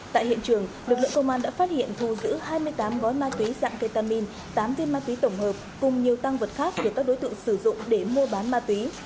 tại hiện trường lực lượng công an đã phát hiện thu giữ hai mươi tám gói ma túy dạng ketamin tám viên ma túy tổng hợp cùng nhiều tăng vật khác được các đối tượng sử dụng để mua bán ma túy